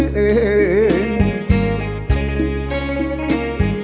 พี่สำเร็จข้าวด้านไพรสักที